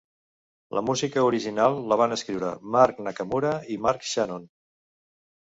La música original la van escriure Mark Nakamura i Mark Shannon.